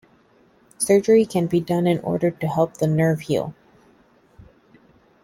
Surgery can be done in order to help the nerve heal.